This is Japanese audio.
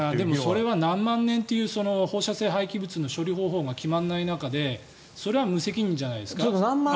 それは何万年という放射性廃棄物の処理方法が決まらない中でそれは無責任じゃないですか。